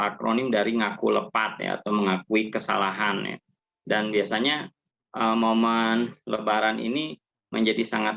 akronim dari ngaku lepas atau mengakui kesalahan dan biasanya momen lebaran ini menjadi sangat